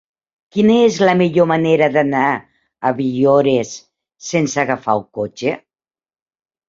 Quina és la millor manera d'anar a Villores sense agafar el cotxe?